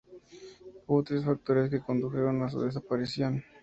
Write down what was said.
Hubo tres factores que condujeron a su desaparición.